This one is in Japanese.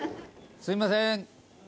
すいません。